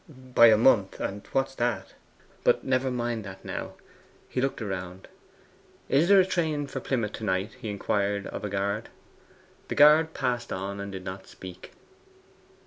'By a month; and what's that? But never mind that now.' He looked around. 'Is there a train for Plymouth to night?' he inquired of a guard. The guard passed on and did not speak.